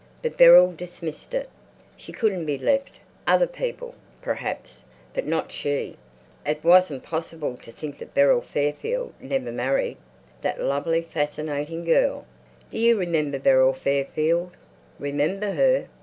But Beryl dismissed it. She couldn't be left. Other people, perhaps, but not she. It wasn't possible to think that Beryl Fairfield never married, that lovely fascinating girl. "Do you remember Beryl Fairfield?" "Remember her!